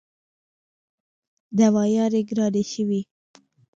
دوايانې ګرانې شوې